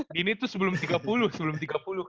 dini tuh sebelum tiga puluh sebelum tiga puluh kak